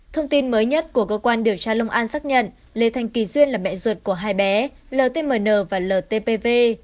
thông tin mới nhất của cơ quan điều tra long an xác nhận lê thành kỳ duyên là mẹ ruột của hai bé ltm và ltpv